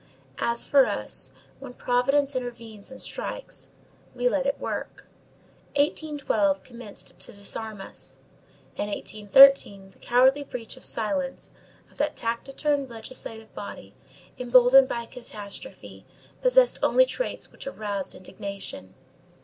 As for us, when Providence intervenes and strikes, we let it work. 1812 commenced to disarm us. In 1813 the cowardly breach of silence of that taciturn legislative body, emboldened by catastrophe, possessed only traits which aroused indignation.